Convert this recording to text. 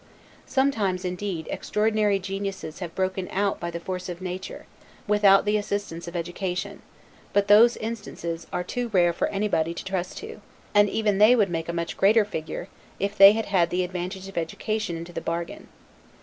Sometimes, indeed, extraordinary geniuses have broken out by the force of nature, without the assistance of education; but those instances are too rare for anybody to trust to; and even they would make a much greater figure, if they had the advantage of education into the bargain.